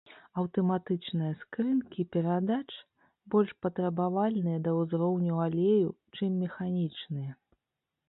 Аўтаматычныя скрынкі перадач больш патрабавальныя да ўзроўню алею, чым механічныя.